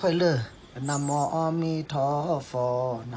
สวัสดีครับทุกคน